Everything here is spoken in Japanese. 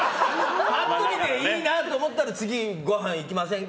パッと見ていいなと思ったら次、ごはん行きませんか。